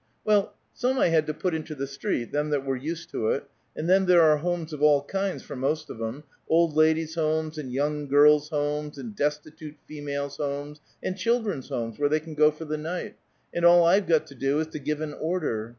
"Well, some I had to put into the street, them that were used to it; and then there are homes of all kinds for most of 'em; old ladies' homes, and young girls' homes, and destitute females' homes, and children's homes, where they can go for the night, and all I've got to do is to give an order.